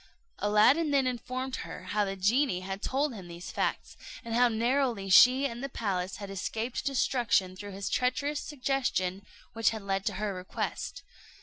Aladdin then informed her how the genie had told him these facts, and how narrowly she and the palace had escaped destruction through his treacherous suggestion which had led to her request.